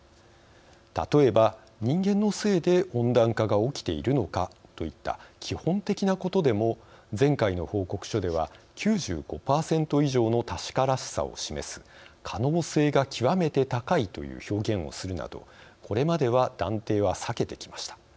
例えば、人間のせいで温暖化が起きているのかといった基本的なことでも前回の報告書では９５％以上の確からしさを示す可能性が極めて高いという表現をするなどこれまでは断定は避けてきました。